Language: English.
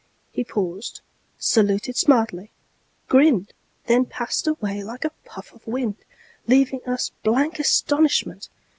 He paused, saluted smartly, grinned, Then passed away like a puff of wind, Leaving us blank astonishment.